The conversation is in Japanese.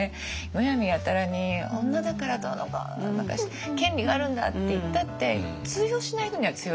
むやみやたらに女だからどうのこうのとか権利があるんだって言ったって通用しない人には通用しない正直。